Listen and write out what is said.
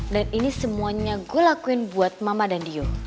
dan ini semuanya gue lakuin buat mama dan dio